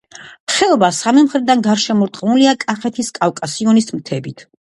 ხეობა სამი მხრიდან გარშემორტყმულია კახეთის კავკასიონის მთებით.